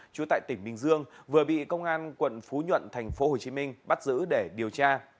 trú tại tỉnh bình dương vừa bị công an quận phú nhuận thành phố hồ chí minh bắt giữ để điều tra